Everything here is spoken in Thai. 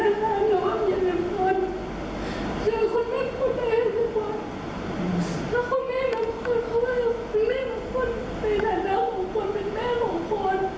เรียกร้องความเป็นความให้ลูก